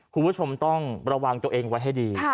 คุณผู้ชมต้องระวังตัวเองไว้ให้ดี